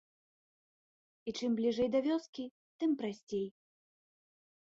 І чым бліжэй да вёскі, тым прасцей.